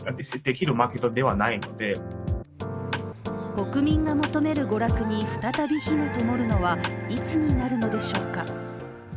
国民が求める娯楽に再び灯がともるのはいつになるのでしょうか。